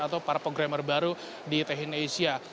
atau para programmer baru di techine asia